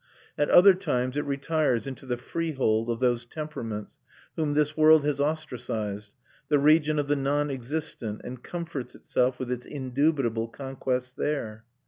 At other times it retires into the freehold of those temperaments whom this world has ostracised, the region of the non existent, and comforts itself with its indubitable conquests there.